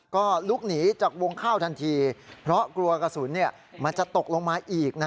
ก็ลุกหนีจากวงข้าวทันทีเพราะกลัวกระสุนมันจะตกลงมาอีก